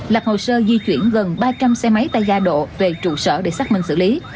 lập hồ sơ di chuyển gần ba trăm linh xe máy tại gia độ về trụ sở để xác minh xử lý